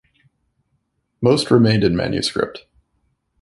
Most remained in manuscript.